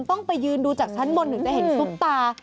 ต้องไปยืนดูจากชั้นบนถึงจะเห็นซุปตา